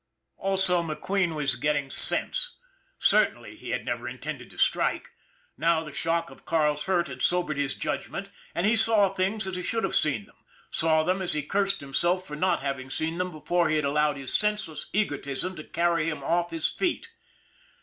Also McQueen was getting sense. Certainly, he had never intended to strike. Now, the shock of Carl's hurt had sobered his judgment and he saw things as he should have seen them, saw them as he cursed himself for not having seen them before he had allowed his senseless egotism to carry him off his feet.